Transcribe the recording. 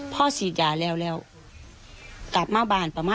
ก็เจออาจารย์ค่ะ